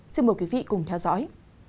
xin mời quý vị cùng theo dõi